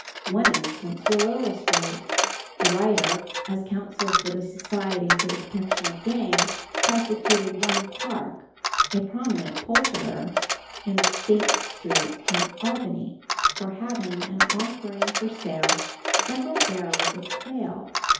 One instance will illustrate. The writer, as counsel for the Society for the Protection of Game, prosecuted one Clark, a prominent poulterer in State street in Albany, for having and offering for sale several barrels of quail.